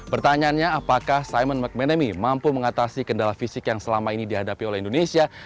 pertanyaannya apakah simon mcmanamy mampu mengatasi kendala fisik yang selama ini dihadapi oleh indonesia